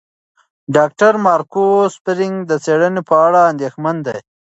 ډاکټر مارکو سپرینګ د څېړنې په اړه اندېښمن دی.